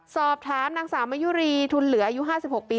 สอบถามนางสาวมะยุรีทุนเหลืออายุ๕๖ปี